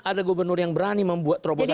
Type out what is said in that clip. ada gubernur yang berani membuat terobosan